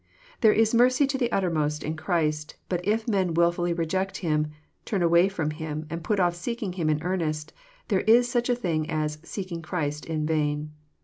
There is mercy to the uttermost in Christ; but if men wilfliUy reject Him, turn away ftom Him, and put off seeking Him in earnest, there is such a thing as '* seeking Christ " in vain.